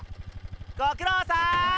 ごくろうさん！